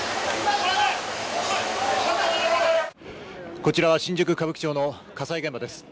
こちら新宿・歌舞伎町の火災現場です。